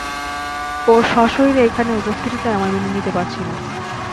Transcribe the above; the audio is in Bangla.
ওর স্বশরীরে এখানে উপস্থিতিটাই আমরা মেনে নিতে পারছি না!